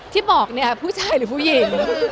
ที่บอกเนี่ยผู้ชายหรือผู้หญิง